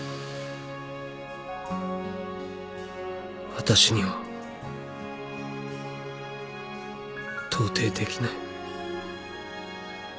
私には到底できない。